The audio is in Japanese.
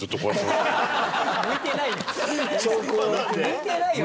向いてないよ。